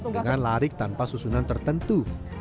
dengan lari tanpa susunan tertentu